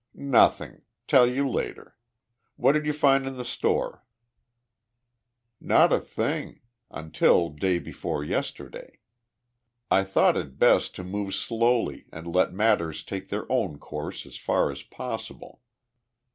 "Nothing. Tell you later. What'd you find in the store?" "Not a thing until day before yesterday. I thought it best to move slowly and let matters take their own course as far as possible.